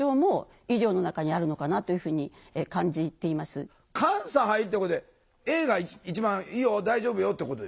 確かに監査入ってこれａが一番いいよ大丈夫よってことでしょ？